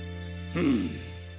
うん。